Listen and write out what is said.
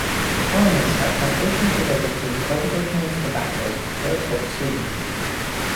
The colonists had plantations devoted to the cultivation of tobacco for export to Sweden.